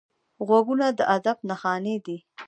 غوږونه د ادب نښانې دي